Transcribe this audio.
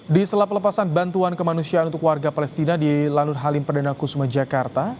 di sela pelepasan bantuan kemanusiaan untuk warga palestina di lanut halim perdana kusuma jakarta